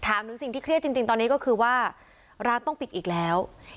ถึงสิ่งที่เครียดจริงตอนนี้ก็คือว่าร้านต้องปิดอีกแล้ว